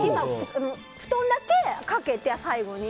布団だけかけて、最後に。